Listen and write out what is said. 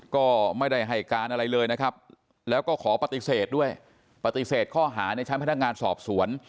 ก็ไม่ได้ให้การอะไรเลยนะครับแล้วก็ขอปฏิเสธด้วยปฏิเสธข้อหาในชั้นพนักงานสอบสวน